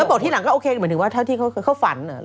แล้วบอกที่หลังก็โอเคเหมือนถึงว่าเขาฝันหรืออะไร